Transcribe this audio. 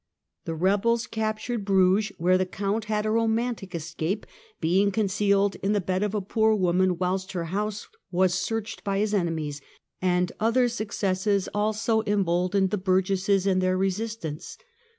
The rebels captured Bruges where the Count had a romantic escape, being concealed in the bed of a poor woman whilst her house was searched by his enemies, and other successes also emboldened the burgesses in their resistance.